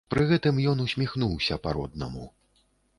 Пры гэтым ён усміхнуўся па-роднаму.